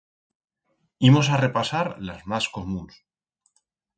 Imos a repasar las mas comuns